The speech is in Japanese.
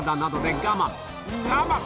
我慢！